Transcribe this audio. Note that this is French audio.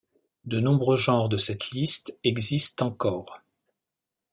De nombreux genres de cette liste existent encore.